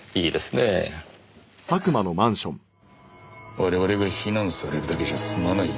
我々が非難されるだけじゃ済まないよ。